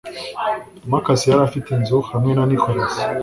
Marcus yari afite inzu hamwe na Nicholas